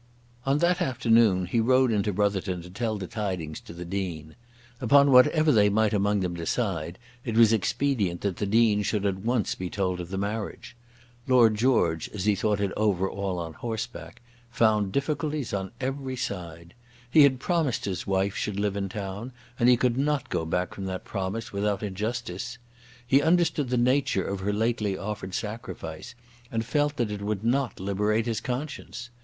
On that afternoon he rode into Brotherton to tell the tidings to the Dean. Upon whatever they might among them decide, it was expedient that the Dean should be at once told of the marriage. Lord George, as he thought over it all on horseback, found difficulties on every side. He had promised that his wife should live in town, and he could not go back from that promise without injustice. He understood the nature of her lately offered sacrifice, and felt that it would not liberate his conscience.